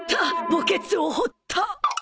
墓穴を掘った！